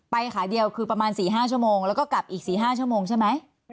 ไปขาเดียวคือประมาณสี่ห้าชั่วโมงแล้วก็กลับอีกสี่ห้าชั่วโมงใช่ไหม